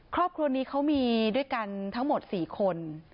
ครอบครัวนี้เขามีด้วยกันทั้งหมด๔คน